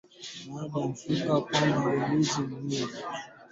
Bana mufukuza kwabo juya bwizi